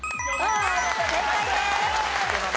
正解です。